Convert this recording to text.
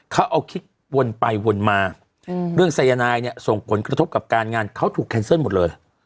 เขาเอาคิดวนไปวนมาเรื่องสายนายเนี่ยส่งผลกระทบกับการงานเขาถูกแคนเซิลหมดเลย